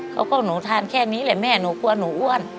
เขาก็หนูทานแค่นี้แหละแม่หนูกลัวหนูอ้วน